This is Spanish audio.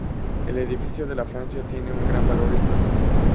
El edificio de la Francia tiene un gran valor histórico.